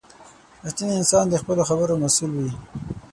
• رښتینی انسان د خپلو خبرو مسؤل وي.